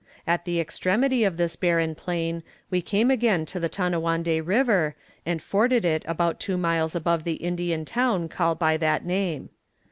At the extremity of this barren plain, we came again to the Tanawande river, and forded it about two miles above the Indian town called by that name.